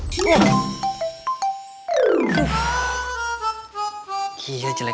kamu benar benar tidak mencintaiku